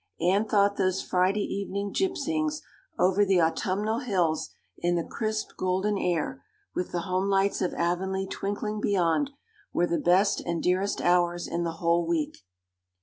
Anne thought those Friday evening gypsyings over the autumnal hills in the crisp golden air, with the homelights of Avonlea twinkling beyond, were the best and dearest hours in the whole week.